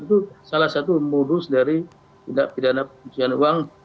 itu salah satu modus dari tindak pidana pencucian uang